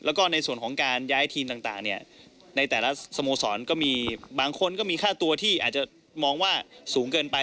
แล้วก็ในส่วนของการย้ายทีมต่างในแต่ละสโมสรก็มีบางคนก็มีค่าตัวที่อาจจะมองว่าสูงเกินไป